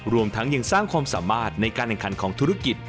รวมทั้งยังสร้างความสามารถในการแข่งขันของธุรกิจ